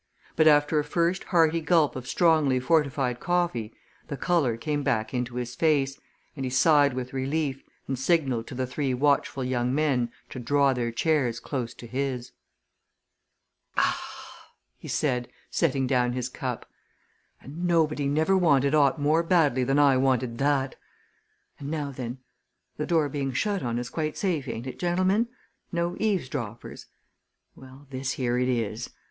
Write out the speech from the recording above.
But after a first hearty gulp of strongly fortified coffee the colour came back into his face, he sighed with relief, and signalled to the three watchful young men to draw their chairs close to his. "Ah!" he said, setting down his cup. "And nobody never wanted aught more badly than I wanted that! And now then the door being shut on us quite safe, ain't it, gentlemen? no eavesdroppers? well, this here it is.